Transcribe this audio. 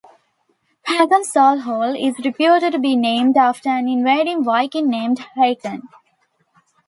Hackensall Hall is reputed to be named after an invading Viking named Haken.